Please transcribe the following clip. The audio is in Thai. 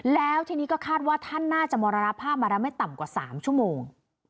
แล้วทีนี้ก็คาดว่าท่านน่าจะมรณภาพมาแล้วไม่ต่ำกว่า๓ชั่วโมง